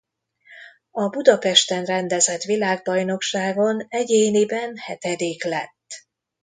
A Budapesten rendezett világbajnokságon egyéniben hetedik lett.